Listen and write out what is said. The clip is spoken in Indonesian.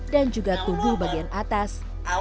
dan juga tubuh bagian atas